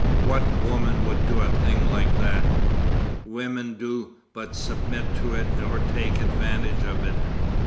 What woman would do a thing like that? Women do but submit to it or take advantage of it.